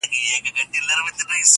ځکه چي هیڅ هدف نه لري -